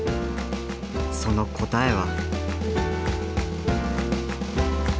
その答えは。